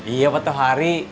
iya pak tuhari